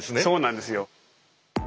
そうなんですよ。